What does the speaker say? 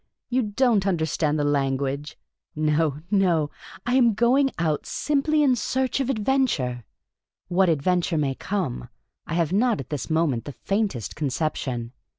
You don't understand the lan guage. No, no ; I am going out, simply in search of ad venture. What adventure may come, I have not at this moment the faintest conception.